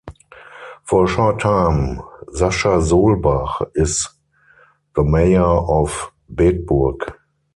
For a short time Sascha Solbach is the mayor of Bedburg.